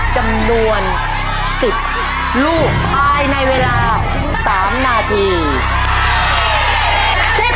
จำนวน๑๐ลูกภายในเวลา๓นาที